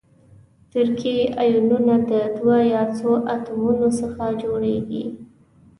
ترکیبي ایونونه د دوو یا څو اتومونو څخه جوړیږي.